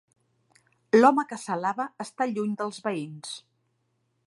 L'home que s'alaba està lluny de veïns.